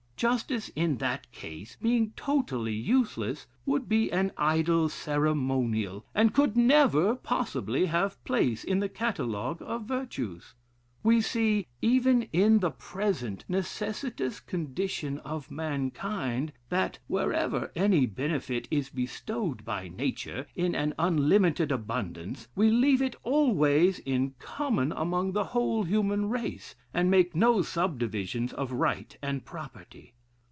Justice, in that case, being totally useless, would be an idle ceremonial, and could never possibly have place in the catalogue of virtues. We see, even in the present necessitous condition of mankind, that, wherever any benefit is bestowed by nature in an unlimited abundance, we leave it always in common among the whole human race, and make no subdivisions of right and property.